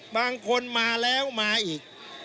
บางคนมาแล้วมาอีก